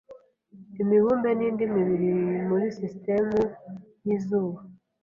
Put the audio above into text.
imibumbe nindi mibiri muri sisitemu yizuba